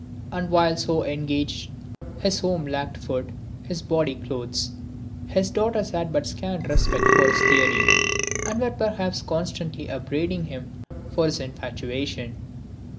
And while so engaged his home lacked food, his body clothes. His daughters had but scant respect for his theory and were perhaps constantly upbraiding him for his infatuation.